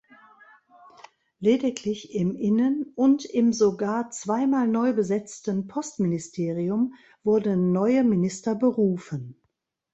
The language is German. Lediglich im Innen- und im sogar zweimal neu besetzten Postministerium wurden neue Minister berufen.